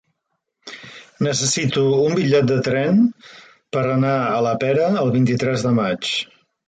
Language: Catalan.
Necessito un bitllet de tren per anar a la Pera el vint-i-tres de maig.